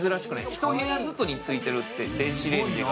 一部屋ずつについてるって、電子レンジが。